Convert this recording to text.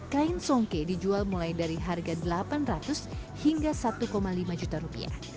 kain songke dijual mulai dari harga delapan ratus hingga satu lima juta rupiah